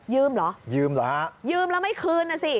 ยืมเหรอยืมแล้วไม่คืนสิ